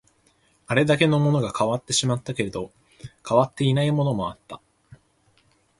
あれだけのものが変わってしまったけど、変わっていないものもあった